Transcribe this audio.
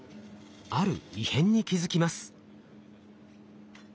ある異変に気付きます。